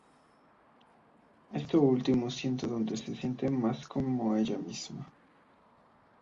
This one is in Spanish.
Esto último siendo donde se siente más como ella misma.